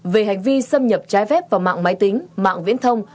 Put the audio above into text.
về hành vi xâm nhập trái phép vào mạng máy tính mạng viễn thông